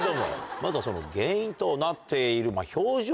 まずはその原因となっている。